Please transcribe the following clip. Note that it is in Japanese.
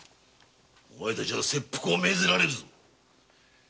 お前たちは切腹を命ぜられるぞ。